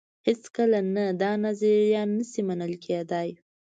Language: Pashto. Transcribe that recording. هېڅکله نه دا نظریه نه شي منل کېدای.